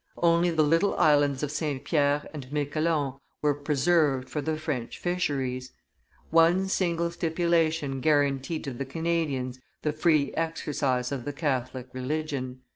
Only the little islands of St. Pierre and Miquelon were preserved for the French fisheries. One single stipulation guaranteed to the Canadians the free exercise of the Catholic religion.